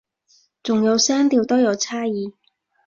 仲有聲調都有差異